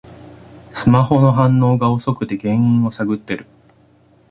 スマホの反応が遅くて原因を探ってる